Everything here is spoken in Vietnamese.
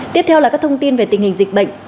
tiếp theo là các thông tin về tình hình dịch bệnh